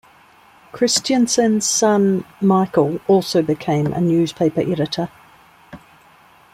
Christiansen's son, Michael, also became a newspaper editor.